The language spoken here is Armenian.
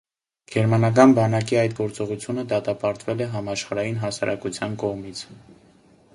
Գերմանական բանակի այդ գործողությունը դատապարտվել է համաշխարհային հասարակության կողմից։